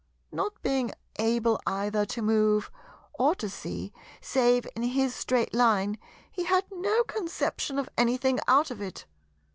Not being able either to move or to see, save in his Straight Line, he had no conception of anything out of it.